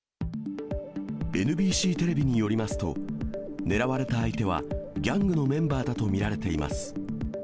ＮＢＣテレビによりますと、狙われた相手はギャングのメンバーだと見られています。